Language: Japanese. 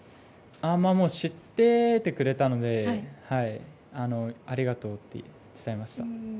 もう知っててくれたのでありがとうって伝えました。